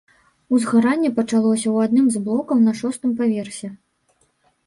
Узгаранне пачалося ў адным з блокаў на шостым паверсе.